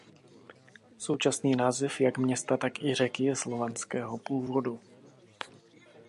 Současný název jak města tak i řeky je slovanského původu.